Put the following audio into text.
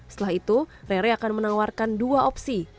setelah itu rere akan menawarkan dua opsi